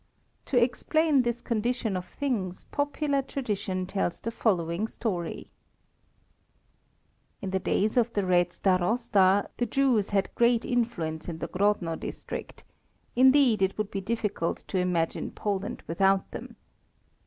To explain this condition of things, popular tradition tells the following story: In the days of the Red Starosta, the Jews had great influence in the Grodno district; indeed, it would be difficult to imagine Poland without them.